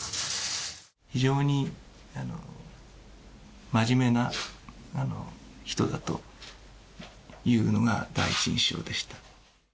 非常に真面目な人だというのが、第一印象でした。